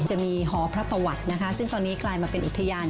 จะมีหอพระประวัตินะคะซึ่งตอนนี้กลายมาเป็นอุทยาน